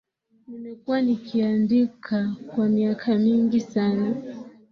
Nimekuwa nikiandika kwa miaka mingi sana